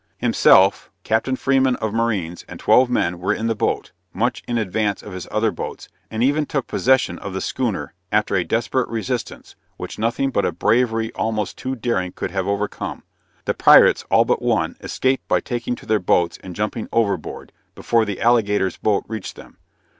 Himself, Captain Freeman of Marines, and twelve men, were in the boat, much in advance of his other boats, and even took possession of the schooner, after a desperate resistance, which nothing but a bravery almost too daring could have overcome. The pirates, all but one, escaped by taking to their boats and jumping overboard, before the Alligator's boat reached them.